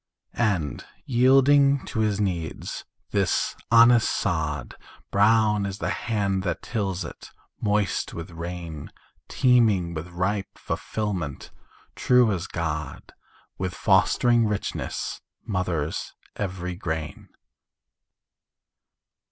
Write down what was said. And yielding to his needs, this honest sod, Brown as the hand that tills it, moist with rain, Teeming with ripe fulfilment, true as God, With fostering richness, mothers every grain.